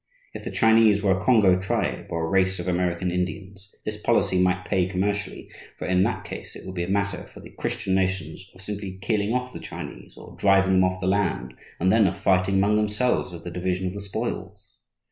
If the Chinese were a Congo tribe, or a race of American Indians, this policy might pay commercially; for in that case it would be a matter for the Christian nations of simply killing off the Chinese or driving them off the land, and then of fighting among themselves over the division of the spoils.